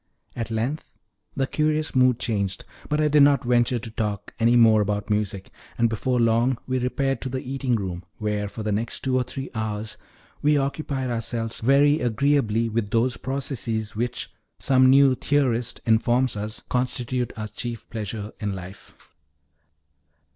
At length the curious mood changed, but I did not venture to talk any more about music, and before very long we repaired to the eating room, where, for the next two or three hours, we occupied ourselves very agreeably with those processes which, some new theorist informs us, constitute our chief pleasure in life.